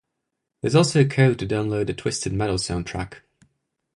There is also a code to download a "Twisted Metal" soundtrack.